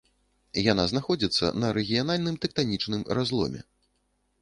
Яна знаходзіцца на рэгіянальным тэктанічным разломе.